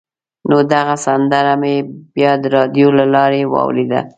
نو دغه سندره مې بیا د راډیو له لارې واورېده.